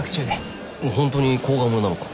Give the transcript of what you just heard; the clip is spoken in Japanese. ホントに甲賀者なのか？